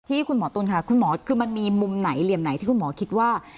คุณหมอตุ้นค่ะคุณหมอคือมันมีมุมไหนเหลี่ยมไหนที่คุณหมอคิดว่า